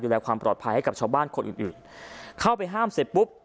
ความปลอดภัยให้กับชาวบ้านคนอื่นอื่นเข้าไปห้ามเสร็จปุ๊บ